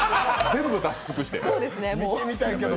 全部出し尽くして。